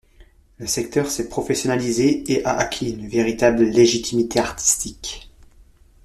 Le secteur s'est professionnalisé et a acquis une véritable légitimité artistique.